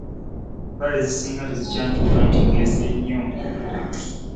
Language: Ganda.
Empale ezisinga tezikyantuuka anti ngezze nnyo.